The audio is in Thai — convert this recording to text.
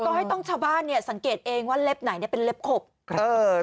ก็ให้ต้องชาวบ้านเนี่ยสังเกตเองว่าเล็บไหนเนี่ยเป็นเล็บขบครับเออ